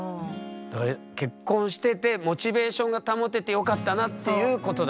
結婚しててモチベーションが保ててよかったなっていうことだ。